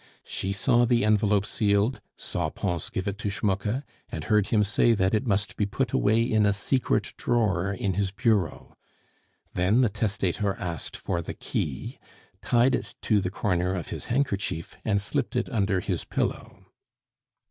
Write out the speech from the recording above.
She saw the envelope sealed, saw Pons give it to Schmucke, and heard him say that it must be put away in a secret drawer in his bureau. Then the testator asked for the key, tied it to the corner of his handkerchief, and slipped it under his pillow.